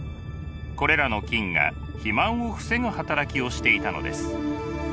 これらの菌が肥満を防ぐ働きをしていたのです。